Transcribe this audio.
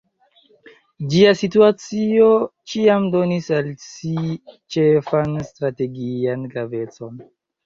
Ĝia situacio ĉiam donis al si ĉefan strategian gravecon.